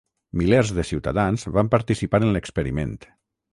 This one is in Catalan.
Milers de ciutadans van participar en l'experiment.